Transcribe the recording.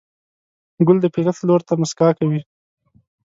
ګل د فطرت لور ته موسکا کوي.